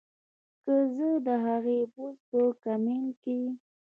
کۀ زۀ د هغې پوسټ پۀ کمنټ کښې